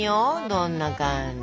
どんな感じ？